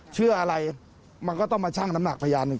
เชื่ออะไรมันก็ต้องมาชั่งน้ำหนักพยานหนึ่ง